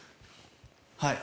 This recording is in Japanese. はい。